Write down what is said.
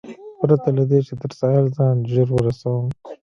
پرته له دې، چې تر ساحل ځان ژر ورسوم.